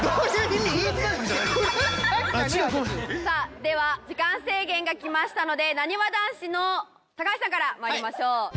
さあでは時間制限がきましたのでなにわ男子の高橋さんから参りましょう。